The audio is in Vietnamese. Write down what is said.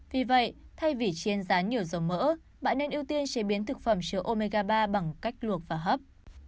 vì vậy thay vì trên giá nhiều dầu mỡ bạn nên ưu tiên chế biến thực phẩm chứa omega ba bằng cách luộc và hấp